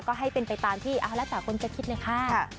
ก็ให้เป็นไปตามที่เอาแล้วแต่คนจะคิดเลยค่ะ